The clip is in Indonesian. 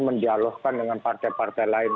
mendialogkan dengan partai partai lain